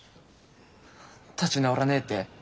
立ち直らねえって？